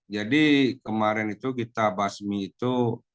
jadi kemarin itu kita basmi itu